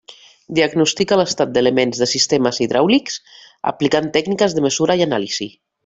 Diagnostica l'estat d'elements de sistemes hidràulics, aplicant tècniques de mesura i anàlisi.